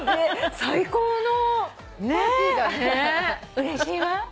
うれしいわ。